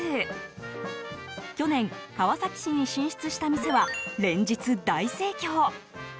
去年、川崎市に進出した店は連日、大盛況。